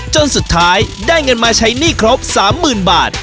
จนสุดท้ายได้เงินมาใช้หนี้ครบ๓๐๐๐บาท